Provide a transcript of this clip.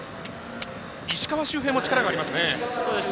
石川周平も力がありますね。